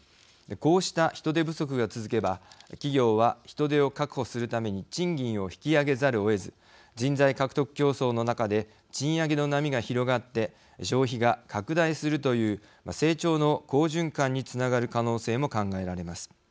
こうした人手不足が続けば企業は人手を確保するために賃金を引き上げざるをえず人材獲得競争の中で賃上げの波が広がって消費が拡大するという成長の好循環につながる可能性も考えられます。